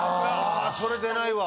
それ出ないわ。